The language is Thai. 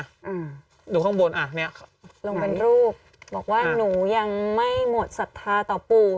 อืมดูข้างบนอ่ะเนี้ยลงเป็นรูปบอกว่าหนูยังไม่หมดศรัทธาต่อปู่